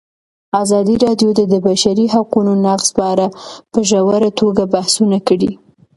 ازادي راډیو د د بشري حقونو نقض په اړه په ژوره توګه بحثونه کړي.